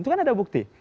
itu kan ada bukti